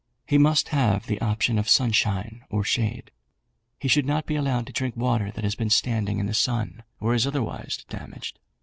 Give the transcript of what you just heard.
He must have the option of sunshine or shade. He should not be allowed to drink water that has been standing in the sun, or is otherwise damaged.